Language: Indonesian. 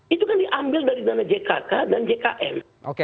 itu kan diambil dari dana jkk dan jkn